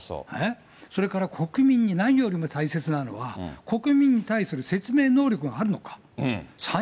それから国民に何よりも大切なのは、国民に対する説明能力があるのか。